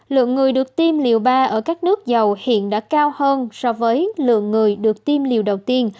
lượng người được tiêm liều ba ở các nước giàu hiện đã cao hơn so với lượng người được tiêm liều đầu tiên